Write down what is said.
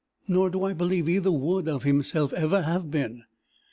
Nor do I believe either would, of himself, ever have been.